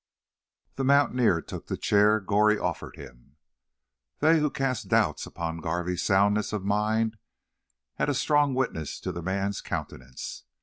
The mountaineer took the chair Goree offered him. They who cast doubts upon Garvey's soundness of mind had a strong witness in the man's countenance.